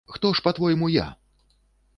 Хто ж па-твойму я?